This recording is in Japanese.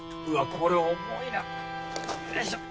これ重いなよいしょ。